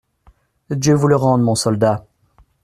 Dieu vous le rende, mon soldat.